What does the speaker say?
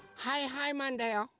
はいはいマンだよ！